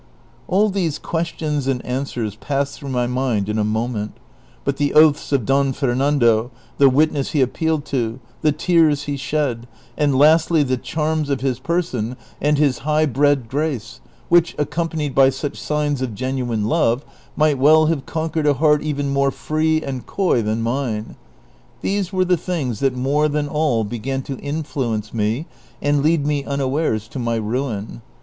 " All these questions and answers passed through my mind in a moment; but the oaths of Don Fernando, the witnesses he appealed to, the tears he shed, and lastly the charms of his person and his CHAPTER XXV III. 238 high bred grace, which, accompanied by such signs oi" genuine love, might well have conquered a heart even more free and coy than mine — tliese were the things tliat more than all began to iuHuence me and lead me unawares to ray ruin.